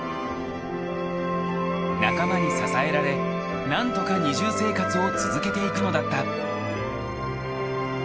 ［仲間に支えられ何とか二重生活を続けていくのだった］